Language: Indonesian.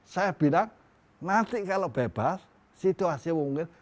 saya bilang nanti kalau bebas situasi mungkin